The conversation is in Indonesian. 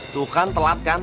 duh kan telat kan